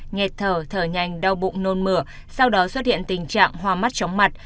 nhẹt thở thở nhanh đau bụng nôn mửa sau đó xuất hiện tình trạng hoa mắt chống mặt